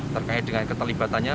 terkait dengan keterlibatannya